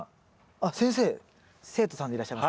あっ先生生徒さんでいらっしゃいますか？